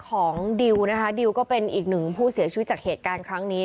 ของดิวนะคะดิวก็เป็นอีกหนึ่งผู้เสียชีวิตจากเหตุการณ์ครั้งนี้